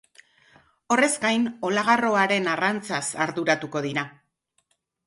Horrez gain, olagarroaren arrantzaz arduratuko dira.